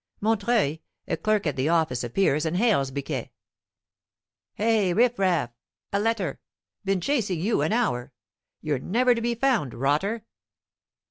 Montreuil, a clerk at the office, appears and hails Biquet: "Hey, riff raff! A letter! Been chasing you an hour. You're never to be found, rotter!"